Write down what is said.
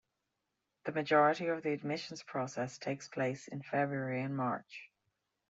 The majority of the admissions process takes place in February and March.